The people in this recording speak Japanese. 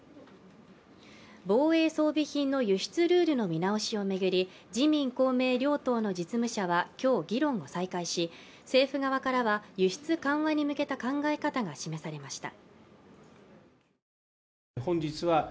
防衛装備品の輸出ルールの見直しを巡り、自民・公明両党の実務者は今日、議論を再開し、政府側からは、輸出緩和に向けた考え方が示されました。